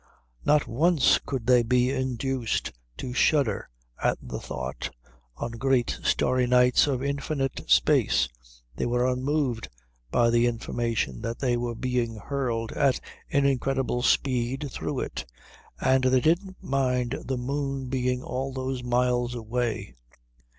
Not once could they be induced to shudder at the thought, on great starry nights, of infinite space. They were unmoved by the information that they were being hurled at an incredible speed through it; and they didn't mind the moon being all those miles away.